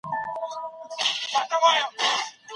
ټولنه له منفي افکارو پاکه کړئ.